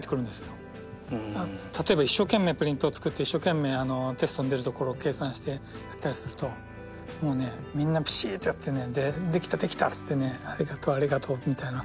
例えば一生懸命プリントを作って一生懸命テストに出るところを計算してやったりするともうみんなピシーッとやってねできたできたっつってねありがとうありがとうみたいな。